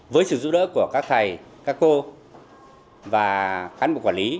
với sự giúp đỡ của các thầy các cô và khán bộ quản lý